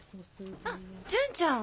あっ純ちゃん？